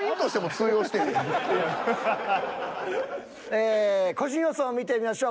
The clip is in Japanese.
ええ個人予想見てみましょう。